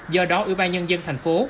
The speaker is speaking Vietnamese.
do đó ủy ban nhân dân thành phố